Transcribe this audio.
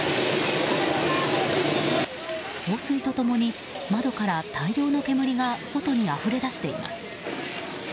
放水と共に窓から大量の煙が外にあふれ出しています。